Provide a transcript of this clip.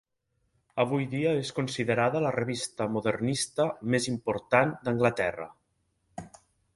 Avui dia, és considerada la revista modernista més important d'Anglaterra.